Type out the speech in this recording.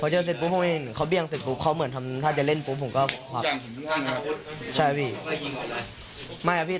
พอเจอเสร็จปุ๊บก็เค้าเบี่ยงเสร็จปุ๊บเขาเหมือนถ้าจะเล่นแบบไซส์ผมก็มาเล่น